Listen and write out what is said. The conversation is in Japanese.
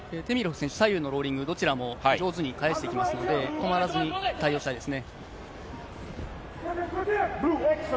テミロフ選手、左右のローリング、上手に返してきますので、止まらず対応したいですね。